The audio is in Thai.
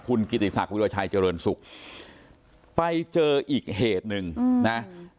คุณกิติศักดิราชัยเจริญสุขไปเจออีกเหตุหนึ่งนะ